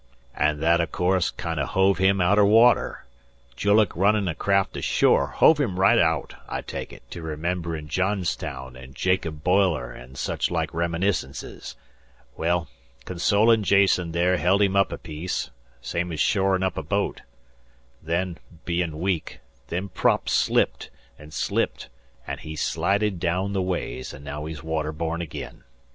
"An' that, o' course, kinder hove him outer water, julluk runnin' a craft ashore; hove him right aout, I take it, to rememberin' Johnstown an' Jacob Boiler an' such like reminiscences. Well, consolin' Jason there held him up a piece, same's shorin' up a boat. Then, bein' weak, them props slipped an' slipped, an' he slided down the ways, an' naow he's water borne agin.